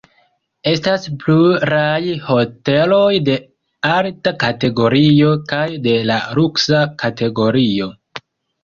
Estas pluraj hoteloj de alta kategorio kaj de la luksa kategorio.